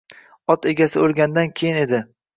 Ot egasi o‘lgandan keyin edi.